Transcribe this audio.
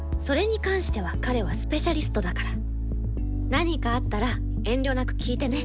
何かあったら遠慮なく聞いてね。